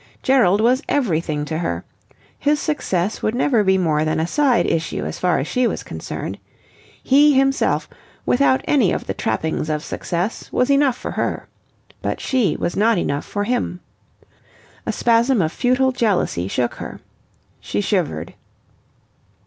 Gerald was everything to her. His success would never be more than a side issue as far as she was concerned. He himself, without any of the trappings of success, was enough for her. But she was not enough for him. A spasm of futile jealousy shook her. She shivered.